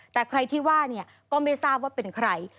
แต่ใครที่ว่าเนี่ยก็ไม่ทราบว่าเป็นใคร